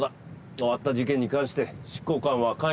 終わった事件に関して執行官は関与しない。